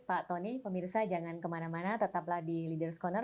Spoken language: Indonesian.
pak tony pemirsa jangan kemana mana tetaplah di leaders' corner